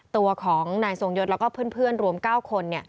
ตัวของนายทรงยศแล้วก็เพื่อนรวม๙คน